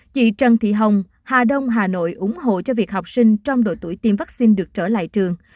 chị trần thị hồng hà đông hà nội ủng hộ cho việc học sinh trong độ tuổi tiêm vaccine được trở lại trường